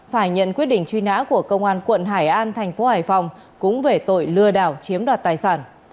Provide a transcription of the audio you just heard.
phải nhận quyết định truy nã của công an quận hải an thành phố hải phòng cũng về tội lừa đảo chiếm đoạt tài sản